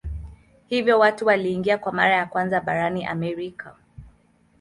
Hivyo watu waliingia kwa mara ya kwanza barani Amerika.